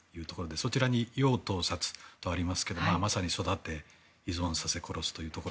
そちらに養・套・殺とありますがまさに育て、依存させ、殺すという。